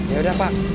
ya udah pak